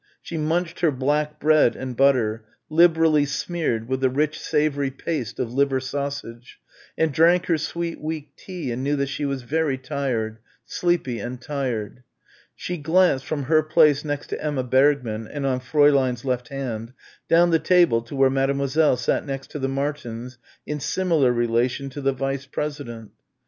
She munched her black bread and butter, liberally smeared with the rich savoury paste of liver sausage, and drank her sweet weak tea and knew that she was very tired, sleepy and tired. She glanced, from her place next to Emma Bergmann and on Fräulein's left hand, down the table to where Mademoiselle sat next the Martins in similar relation to the vice president.